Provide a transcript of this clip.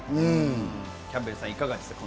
キャンベルさん、いかがですか？